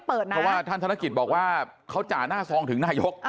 เพราะว่าท่านธนกิจบอกว่าเขาจ่าหน้าซองถึงนายก